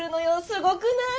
すごくない？